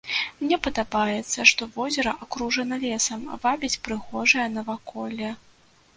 Мне падабаецца, што возера акружана лесам, вабіць прыгожае наваколле.